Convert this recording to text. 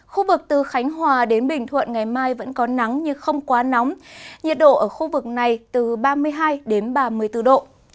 khu vực từ khánh hòa đến bình thuận ngày mai vẫn có nắng nhưng không quá nóng nhiệt độ ở khu vực này từ ba mươi hai đến ba mươi bốn độ